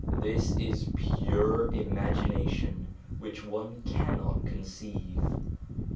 This is a pure imagination which one cannot conceive.